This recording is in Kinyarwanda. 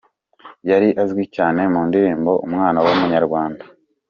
Yari azwi cyane mu ndirimbo ‘Umwana w’umunyarwanda’.